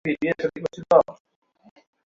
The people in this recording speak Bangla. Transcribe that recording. আমারই তোমাকে দেখে শুনে রাখা উচিত ছিল।